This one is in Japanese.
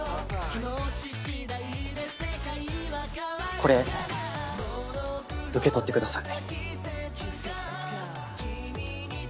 これ受け取ってください。